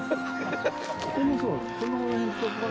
ここもそう。